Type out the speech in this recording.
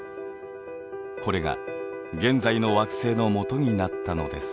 これが現在の惑星のもとになったのです。